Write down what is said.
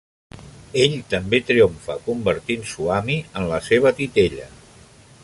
Ell també triomfa convertint Swami en la seva titella.